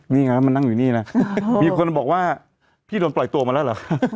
นี่ไงมันนั่งอยู่นี่นะมีคนบอกว่าพี่โดนปล่อยตัวมาแล้วเหรอ